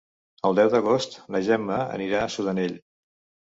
El deu d'agost na Gemma anirà a Sudanell.